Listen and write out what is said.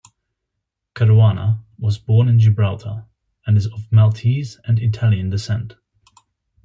Caruana was born in Gibraltar and is of Maltese and Italian descent.